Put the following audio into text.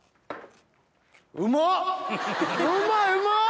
うまっ！